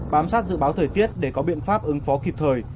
bám sát dự báo thời tiết để có biện pháp ứng phó kịp thời